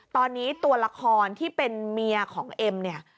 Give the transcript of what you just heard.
ตอนนี้ตัวละครที่เป็นเมียของเอ็มเนี่ย